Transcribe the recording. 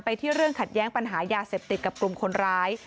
ที่เรื่องขัดแย้งปัญหายาเสพติดกับกลุ่มคนร้าย